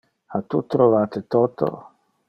Ha tu trovate toto?